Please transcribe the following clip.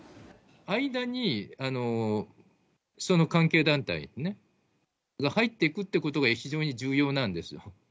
間にその関係団体が入っていくということが非常に重要なんですよ。